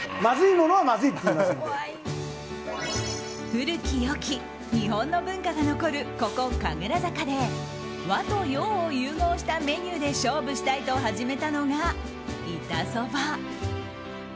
古き良き日本の文化が残るここ神楽坂で和と洋を融合したメニューで勝負したいと始めたのがイタソバ。